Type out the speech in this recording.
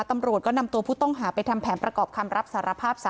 ตำรวจก็นำตัวผู้ต้องหาไปทำแผนประกอบคำรับสารภาพ